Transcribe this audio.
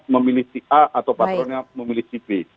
memilih si a atau patronnya memilih si b